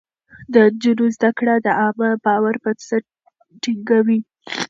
د نجونو زده کړه د عامه باور بنسټ ټينګوي.